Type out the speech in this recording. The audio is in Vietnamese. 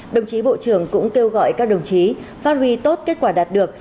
đồng chí bộ trưởng cũng kêu gọi các đồng chí phát huy tốt kết quả đạt được